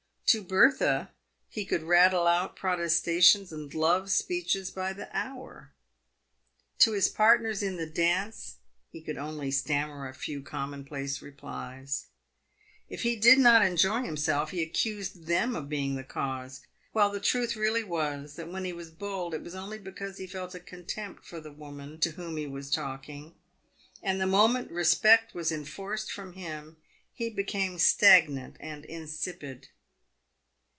To Bertha he could rattle out protestations and love speeches by the hour. To his partners in the dance he could only stammer a few common place replies. If he did not enjoy himself he accused them of being the cause, while the truth really was that when he was bold it was only because he felt a contempt for the woman to whom he was talking, and the moment respect was enforced from him he became stagnant and insipid.